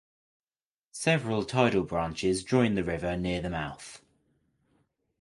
Several tidal branches join the river near the mouth.